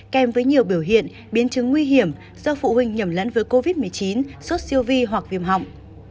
kèm với nhiều biểu hiện biến chứng nguy hiểm do phụ huynh nhầm lẫn với covid một mươi chín sốt siêu vi hoặc viêm họng